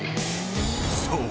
［そう！